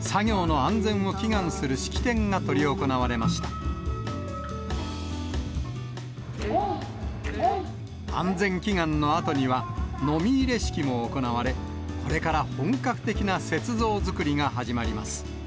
安全祈願のあとには、ノミ入れ式も行われ、これから本格的な雪像作りが始まります。